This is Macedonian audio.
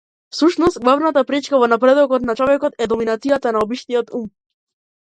Всушност главната пречка во напредокот на човекот е доминацијатата на обичниот ум.